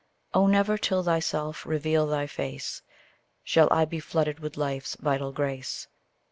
Oh! never till thyself reveal thy face, Shall I be flooded with life's vital grace.